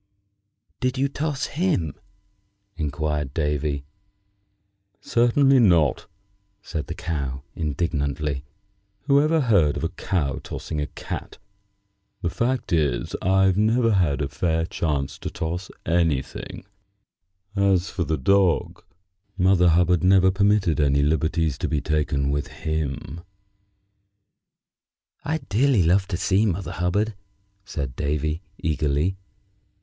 "Did you toss him?" inquired Davy. "Certainly not," said the Cow, indignantly. "Who ever heard of a cow tossing a cat? The fact is, I've never had a fair chance to toss anything. As for the dog, Mother Hubbard never permitted any liberties to be taken with him." "I'd dearly love to see Mother Hubbard," said Davy, eagerly.